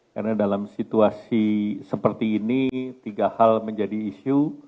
karena dalam situasi seperti ini tiga hal menjadi isu